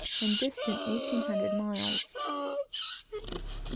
and distant eighteen hundred miles.